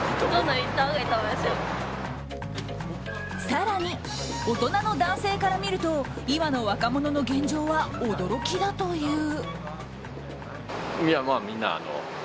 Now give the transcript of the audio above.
更に、大人の男性から見ると今の若者の現状は驚きだという。